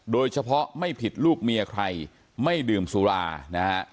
โดยเฉพาะไม่ผิดลูกเมียใครไม่ดื่มสุรานะฮะ